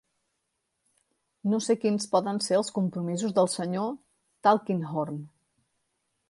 No sé quins poden ser els compromisos del Sr. Tulkinghorn.